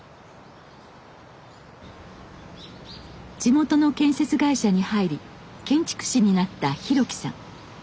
地元の建設会社に入り建築士になった博樹さん。